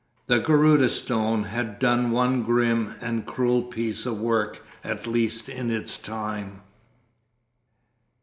The Garudâ Stone had done one grim and cruel piece of work at least in its time.